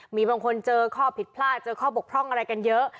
มีบางคนเจอข้อผิดพลาดเจอข้อบกพร่องอะไรกันเยอะ